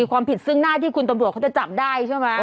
ความผิดซึ่งหน้าที่คุณตำรวจเขาจะจับได้ใช่ไหม